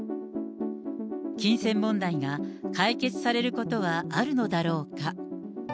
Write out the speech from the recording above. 金銭問題が解決されることはあるのだろうか。